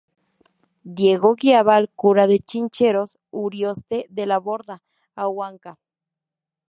Diego guiaba al cura de Chincheros, Urioste de la Borda, a Huanca.